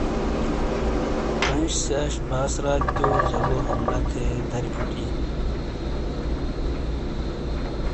کانئیش سے اش باس راتیو جگو حملہ تھے داری فوٹییں ۔